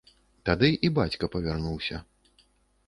Тады і бацька павярнуўся.